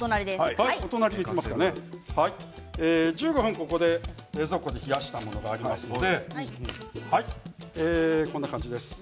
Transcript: １５分、冷蔵庫で冷やしたものがありますのでこんな感じです。